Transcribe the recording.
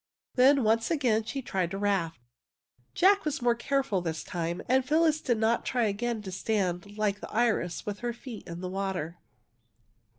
Then once again she tried the raft. Jack was more careful this time, and Phyllis did not try again to stand like the iris with her feet in the water.